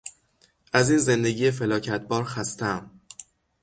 از این زندگی فلاکت بار خستهام.